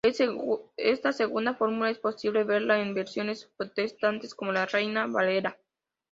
Esta segunda fórmula es posible verla en versiones protestantes como la Reina-Valera.